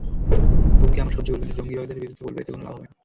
গুমকে আমরা সহ্য করব, কিন্তু জঙ্গিবাদের বিরুদ্ধে বলব—এতে কোনো লাভ হবে না।